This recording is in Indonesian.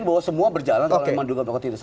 bahwa semua berjalan dalam menduga pokok tindasan